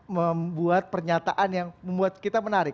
membuat pernyataan yang membuat kita menarik